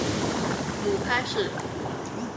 母潘氏。